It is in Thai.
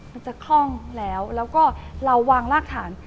มันจะคล่องแล้วแล้วก็เราวางรากฐาน